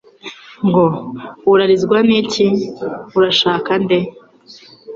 ngo: " Urarizwa ni iki ? Urashaka nde ?"